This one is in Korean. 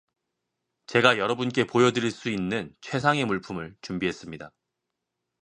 제가 여러분께 보여드릴 수 있는 최상의 물품을 준비했습니다.